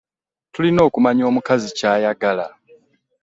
Tulina okumanya omukazi kyayagala.